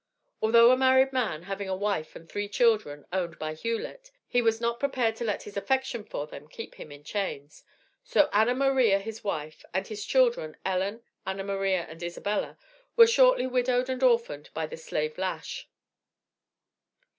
Although a married man, having a wife and three children (owned by Hughlett), he was not prepared to let his affection for them keep him in chains so Anna Maria, his wife, and his children Ellen, Anna Maria, and Isabella, were shortly widowed and orphaned by the slave lash.